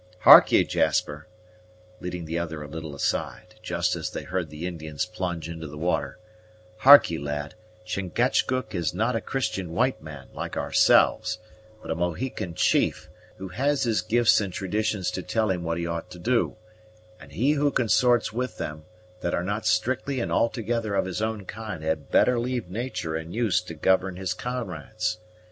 Hark'e, Jasper," leading the other a little aside, just as they heard the Indian's plunge into the water, "hark'e, lad; Chingachgook is not a Christian white man, like ourselves, but a Mohican chief, who has his gifts and traditions to tell him what he ought to do; and he who consorts with them that are not strictly and altogether of his own kind had better leave natur' and use to govern his comrades.